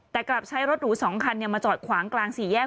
แต่กลับใช้รถหรู๒คันมาจอดขวางกลางสี่แยก